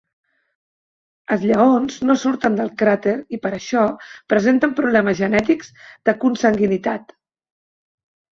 Els lleons no surten del cràter i per això presenten problemes genètics de consanguinitat.